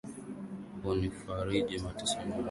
Hunifariji matesoni mwote,